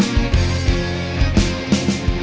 udah deh like